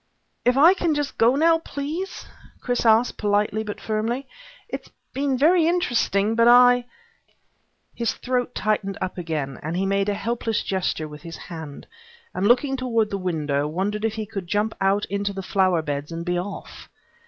"If I can just go now, please?" Chris asked politely but firmly. "It's been very interesting, but I " His throat tightened up again and he made a helpless gesture with his hand, and looking toward the window, wondered if he could jump out into the flower beds and be off.